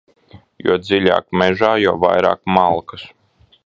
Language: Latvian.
Jo dziļāk mežā, jo vairāk malkas.